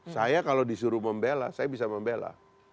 saya kalau disuruh membela saya bisa membela